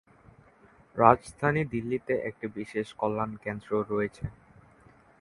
রাজধানী দিল্লিতে একটি বিশেষ কল্যাণ কেন্দ্র রয়েছে।